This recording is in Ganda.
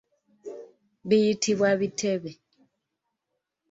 Biyitibwa bitebe.